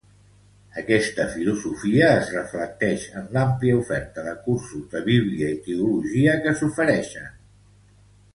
Aquesta filosofia es reflecteix en l'àmplia oferta de cursos de Bíblia i teologia que s'ofereixen.